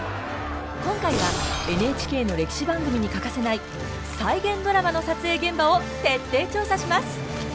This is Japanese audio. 今回はＮＨＫの歴史番組に欠かせない再現ドラマの撮影現場を徹底調査します！